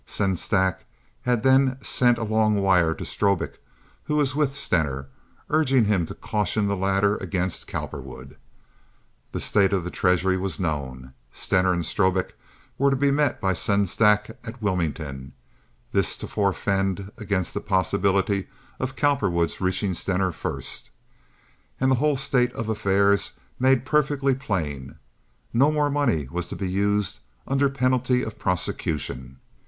Sengstack had then sent a long wire to Strobik, who was with Stener, urging him to caution the latter against Cowperwood. The state of the treasury was known. Stener and Strobik were to be met by Sengstack at Wilmington (this to forefend against the possibility of Cowperwood's reaching Stener first)—and the whole state of affairs made perfectly plain. No more money was to be used under penalty of prosecution.